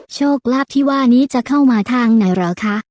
โชคลาภที่ว่านี้จะเข้ามาทางไหนเหรอคะ